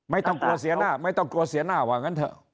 ไม่ต้องกลัวเสียหน้าไม่ต้องกลัวเสียหน้าว่างั้นเถอะ